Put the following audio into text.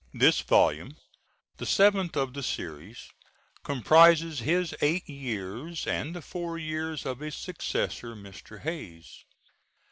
This volume, the seventh of the series, comprises his eight years and the four years of his successor, Mr. Hayes.